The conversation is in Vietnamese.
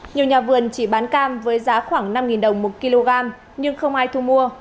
nhiều nhà vườn chỉ bán cam với giá khoảng năm đồng một kg nhưng không ai thu mua